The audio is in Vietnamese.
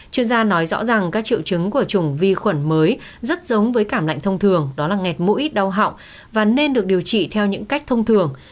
chuyên gia nói rõ rằng các triệu chứng của chủng vi khuẩn mới rất giống với cảm lạnh thông thường đó là ngẹt mũi đau họng và nên được điều trị theo những cách thông thường